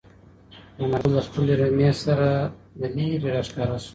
انارګل د خپلې رمې سره له لیرې راښکاره شو.